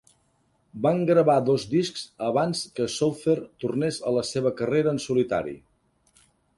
Van gravar dos discs abans que Souther tornés a la seva carrera en solitari.